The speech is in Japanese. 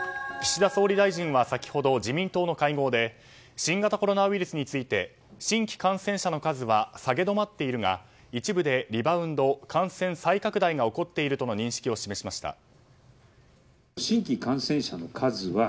岸田総理大臣は先ほど自民党の会合で新型コロナウイルスについて新規感染者の数は下げ止まっているが一部でリバウンド感染再拡大が起こっているとの認識を示しました。